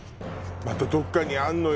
またどっかにあんのよ